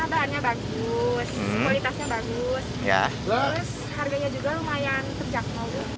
karena bahannya bagus kualitasnya bagus terus harganya juga lumayan terjangkau